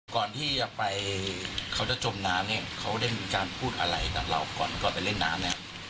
ก่อนที่จะไปเขาจะจมน้ำเนี่ยเขาได้มีการพูดอะไรกับเราก่อนก่อนไปเล่นน้ำเนี่ย